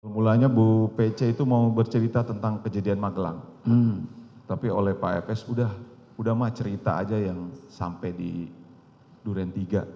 mulanya bu pece itu mau bercerita tentang kejadian magelang tapi oleh pak efes udah mah cerita aja yang sampai di duren tiga